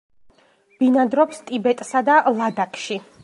ბინადრობს ტიბეტსა და ლადაქში.